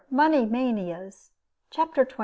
MONEY MANIAS. CHAPTER XXIV.